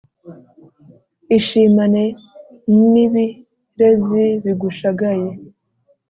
ishimane n’ibirezi bigushagaye